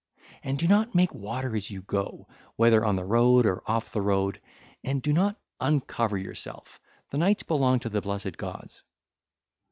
And do not make water as you go, whether on the road or off the road, and do not uncover yourself: the nights belong to the blessed gods.